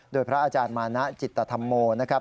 โดยพระอาจารย์มานะจิตธรรมโมนะครับ